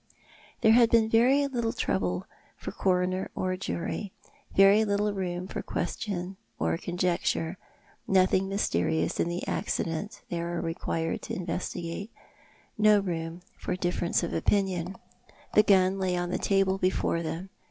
There had been very little trouble for coroner or jury, very little room for question or conjecture, nothing mysterious in the accident they were required to investigate, no room for difference of opinion. The gun lay on the table before them.